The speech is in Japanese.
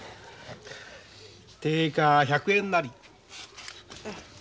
定価１００円也。